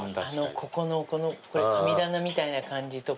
ここの神棚みたいな感じとか。